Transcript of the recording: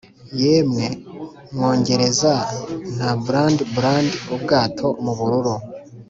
yemwe bwongereza, nta bland-bland-ubwato mubururu,